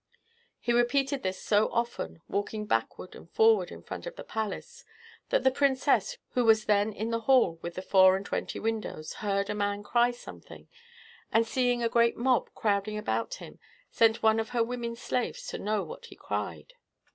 He repeated this so often, walking backward and forward in front of the palace, that the princess, who was then in the hall with the four and twenty windows, hearing a man cry something, and seeing a great mob crowding about him, sent one of her women slaves to know what he cried.